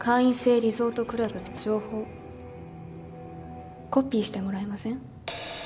リゾートクラブの情報コピーしてもらえません？